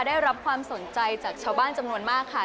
ได้รับความสนใจจากชาวบ้านจำนวนมากค่ะ